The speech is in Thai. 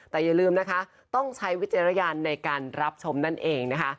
แต่อย่าลืมนะคะต้องใช้วิจารณญาณในการรับชมนั่นเองนะคะ